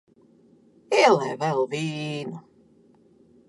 Ielej vēl vīnu.